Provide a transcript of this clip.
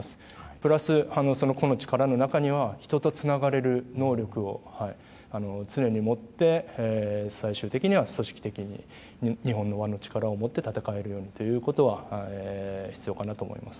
プラス、個の力の中には人とつながれる能力を常に持って最終的には組織的に日本の輪の力をもって戦えるようにということは必要かなと思います。